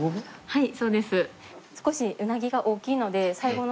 はい。